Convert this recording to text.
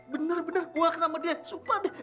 bener bener gue gak kenal sama dia sumpah deh